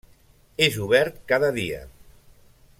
És obert cada dia.